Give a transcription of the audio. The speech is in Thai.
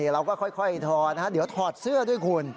เราก็ค่อยถอดนะฮะเดี๋ยวถอดเสื้อด้วยคุณ